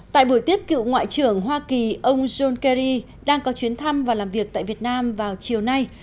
tại buổi tiếp cựu ngoại trưởng hoa kỳ ông john kerry đang có chuyến thăm và làm việc tại việt nam vào chiều nay